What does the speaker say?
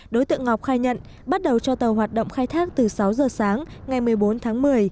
đối tượng ngọc khai nhận bắt đầu cho tàu hoạt động khai thác từ sáu giờ sáng ngày một mươi bốn tháng một mươi